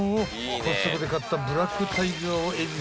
コストコで買ったブラックタイガーを］